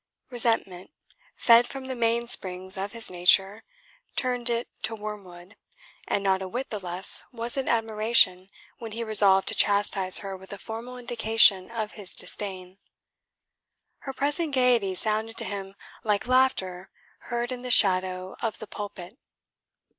Resentment, fed from the main springs of his nature, turned it to wormwood, and not a whit the less was it admiration when he resolved to chastise her with a formal indication of his disdain. Her present gaiety sounded to him like laughter heard in the shadow of the pulpit.